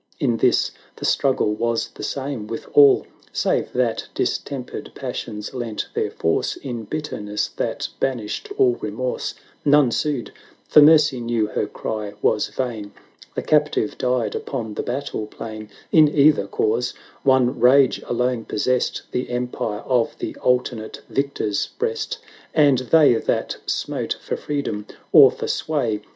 In this the struggle was the same with all ; Save that distempered passions lent their force In bitterness that banished all remorse. None sued, for Mercy knew her cry was vain. The captive died upon the battle plain: In either cause, one rage alone possessed The empire of the alternate victor's breast; 920 And they that smote for freedom or for sway.